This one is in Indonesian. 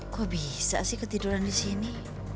kok bisa sih ketiduran disini